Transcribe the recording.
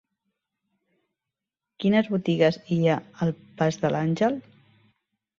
Quines botigues hi ha al pas de l'Àngel?